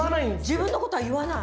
自分のことは言わない。